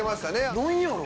何やろう？